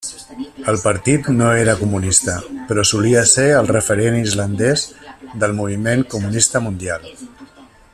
El partit no era comunista, però solia ser el referent islandès del moviment comunista mundial.